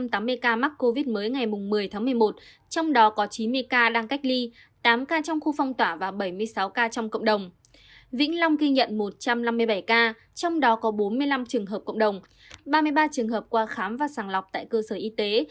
trong đó có bốn mươi năm trường hợp cộng đồng ba mươi ba trường hợp qua khám và sàng lọc tại cơ sở y tế